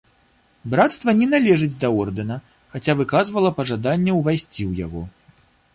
Брацтва не належыць да ордэна, хаця выказвала пажаданне ўвайсці ў яго.